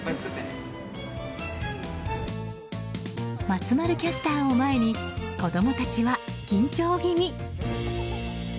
松丸キャスターを前に子供たちは緊張気味。